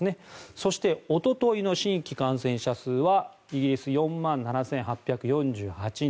そしておとといの新規感染者数はイギリス、４万７８４８人。